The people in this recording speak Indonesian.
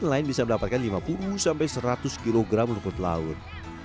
lain bisa mendapatkan lima puluh seratus kg rumput laut